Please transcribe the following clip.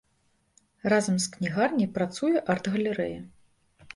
Разам з кнігарняй працуе арт-галерэя.